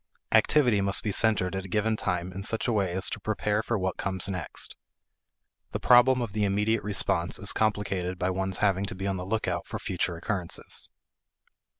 Activity must be centered at a given time in such a way as to prepare for what comes next. The problem of the immediate response is complicated by one's having to be on the lookout for future occurrences.